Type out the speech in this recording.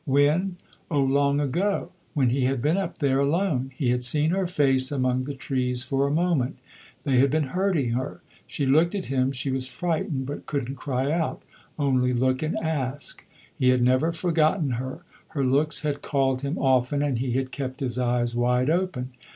When? Oh, long ago when he had been up there alone. He had seen her face among the trees for a moment. They had been hurting her; she looked at him, she was frightened, but couldn't cry out only look and ask. He had never forgotten her; her looks had called him often, and he had kept his eyes wide open.